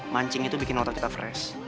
mancing itu bikin otot kita fresh